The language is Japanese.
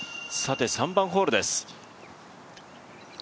３番ホールです。